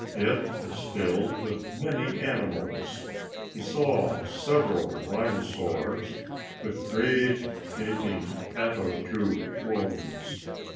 It was filled with many animals. He saw several rhinosaurs with great gaping ato tube wounds.